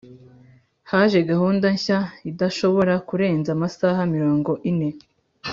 Haje gahunda nshya idashobora kurenza amasaha mirongo ine